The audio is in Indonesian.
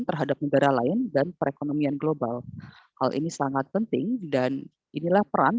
terhadap negara lain dan perekonomian global hal ini sangat penting dan inilah peran